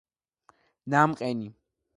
ნამყენი საშუალო ზრდისაა.